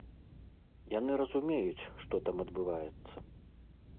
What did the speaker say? Яны разумеюць, што там адбываецца.